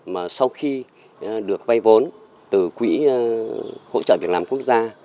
mà sau khi được vay vốn từ quỹ hỗ trợ việc làm quốc gia